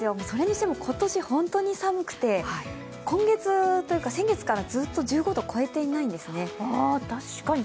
それにしても今年本当に寒くて先月からずっと１５度超えていないんですね。